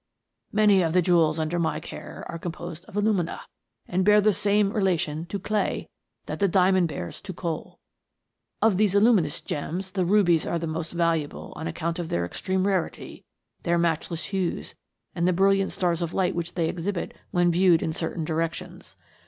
" Many of the jewels under my care are com posed of alumina, and bear the same relation to clay, that the diamond bears to coal. Of these aluminous gems the rubies are the most valuable on account of their extreme rarity, their matchless hues, and the brilliant stars of light which they exhibit when viewed in certain directions.